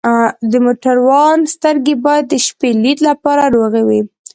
د موټروان سترګې باید د شپې لید لپاره روغې وي.